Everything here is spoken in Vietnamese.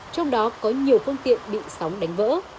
trong đó có nhiều phương tiện bị sóng đánh vỡ